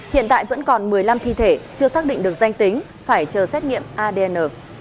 hiện tại vẫn còn một mươi năm thi thể chưa xác định được danh tính phải chờ xét nghiệm adn